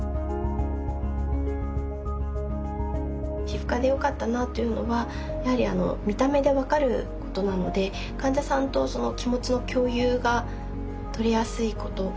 皮膚科でよかったなというのはやはり見た目で分かることなので患者さんと気持ちの共有が取りやすいこと。